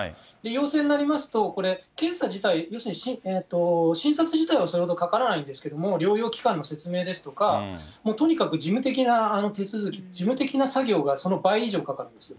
陽性になりますと、これ、検査自体、要するに診察自体はそれほどかからないんですけれども、療養期間の説明ですとか、とにかく事務的な手続き、事務的な作業がその倍以上かかるんです。